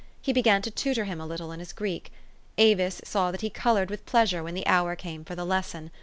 He began to tutor him a little in his Greek. Avis saw that he colored with pleasure when the hour came for the lesson.